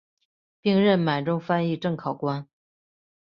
并任满洲翻译正考官。